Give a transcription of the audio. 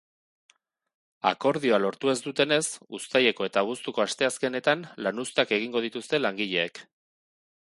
Akordioa lortu ez dutenez, uztaileko eta abuztuko asteazkenetan lanuzteak egingo dituzte langileek.